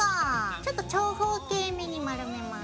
ちょっと長方形めに丸めます。